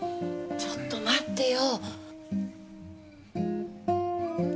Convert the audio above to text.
ちょっと待ってよ。